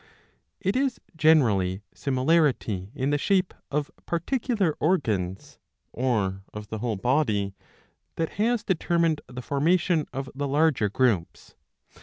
It is generally similarity in the shape of particular organs, or of the whole body, that has determined the formation of the larger groups.